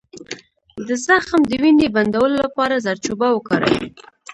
د زخم د وینې بندولو لپاره زردچوبه وکاروئ